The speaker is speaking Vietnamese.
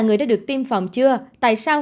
người đã được tiêm phòng chưa tại sao